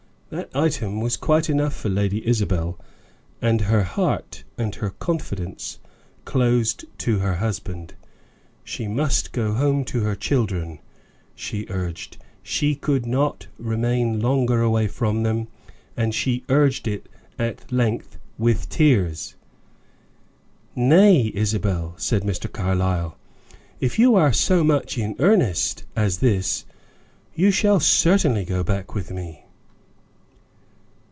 That item was quite enough for Lady Isabel, and her heart and her confidence closed to her husband. She must go home to her children, she urged; she could not remain longer away from them; and she urged it at length with tears. "Nay, Isabel," said Mr. Carlyle; "if you are so much in earnest as this, you shall certainly go back with me."